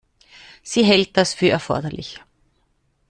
Sie hält das für erforderlich.